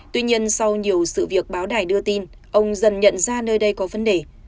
tuy nhiên sau nhiều sự việc báo đài đưa tin ông dần nhận ra nơi đây có vấn đề